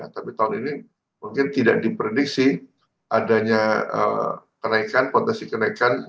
tapi tahun ini mungkin tidak diprediksi adanya kenaikan potensi kenaikan